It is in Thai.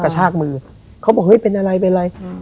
ชากมือเขาบอกเฮ้ยเป็นอะไรเป็นอะไร